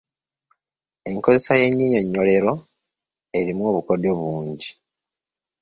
Enkozesa y’ennyinyonnyolero erimu obukodyo bungi.